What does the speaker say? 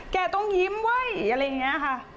แกต้องยิ้มเว้ยอะไรอย่างนี้ค่ะ